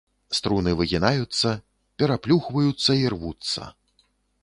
Струны выгінаюцца, пераплюхваюцца і рвуцца.